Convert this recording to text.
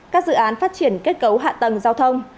các dự án phát triển kết cấu hạ tầng giao thông